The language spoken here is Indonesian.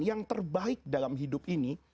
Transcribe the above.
yang terbaik dalam hidup ini